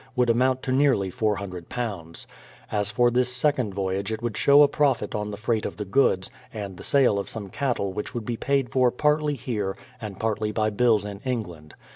would amount to nearly £400. As for this second voyage it would show a profit on the freight of the goods, and the sale of some cattle which would be paid for partly here and partly by bills in England.